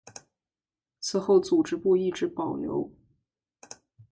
此后组织部一直保留。